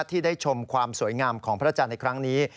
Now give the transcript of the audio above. ที่ได้ชมความสวยงามของพระจันทร์ในครั้งนี้